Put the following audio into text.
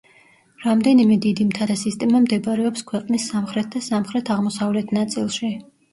რამდენიმე დიდი მთათა სისტემა მდებარეობს ქვეყნის სამხრეთ და სამხრეთ-აღმოსავლეთ ნაწილში.